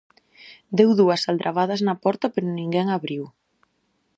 Deu dúas aldrabadas na porta pero ninguén abriu.